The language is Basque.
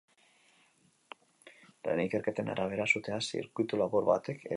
Lehen ikerketen arabera, sutea zirkuitulabur batek eragin omen zuen.